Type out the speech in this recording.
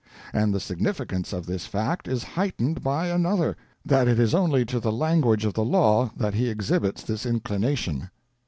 And the significance of this fact is heightened by another, that it is only to the language of the law that he exhibits this inclination.